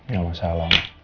ya allah salam